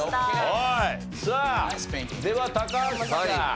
さあでは高橋さん。